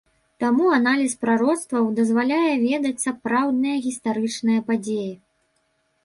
Таму аналіз прароцтваў дазваляе ведаць сапраўдныя гістарычныя падзеі.